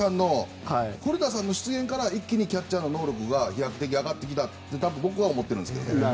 古田さんの出現からキャッチングの技術が飛躍的に上がってきたと僕は思ってるんですけどね。